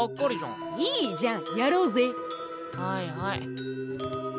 はいはい。